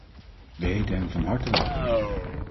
We heten hen van harte welkom.